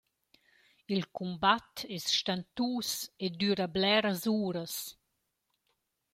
Il cumbat es stantus e düra bleras uras.